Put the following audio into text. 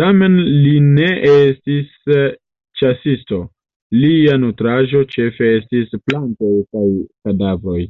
Tamen li ne estis ĉasisto, lia nutraĵo ĉefe estis plantoj kaj kadavroj.